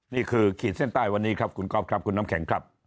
ขีดเส้นใต้วันนี้ครับคุณก๊อฟครับคุณน้ำแข็งครับ